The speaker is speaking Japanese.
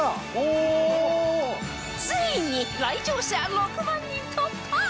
ついに来場者６万人突破！